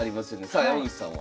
さあ山口さんは？